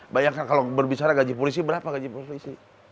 bayangkan kalau berbicara gaji polisi berapa gaji polisi